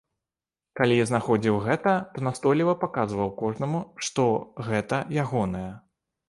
Калі я знаходзіў гэта, то настойліва паказваў кожнаму, што гэта ягонае.